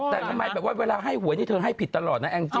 แต่ทำไมแบบว่าเวลาให้หวยนี่เธอให้ผิดตลอดนะแองจี